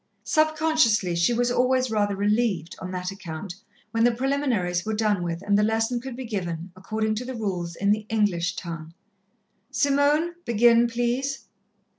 Subconsciously she was always rather relieved, on that account, when the preliminaries were done with, and the lesson could be given, according to the rules, in the English tongue. "Simone! Begin, please."